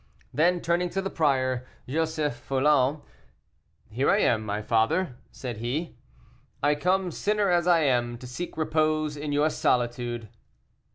Then, turning to the prior, Joseph Foulon, "Here I am, my father," said he; "I come, sinner as I am, to seek repose in your solitude."